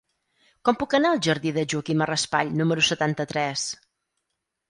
Com puc anar al jardí de Joaquima Raspall número setanta-tres?